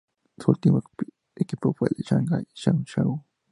Su último equipo fue el Shanghái Shenhua.